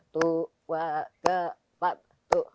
tuh wah ke pat tuh